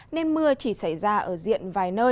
nên mưa chỉ xảy ra ở diện vài nơi